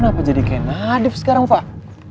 kenapa jadi kayak nadif sekarang pak